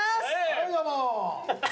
はいどうも！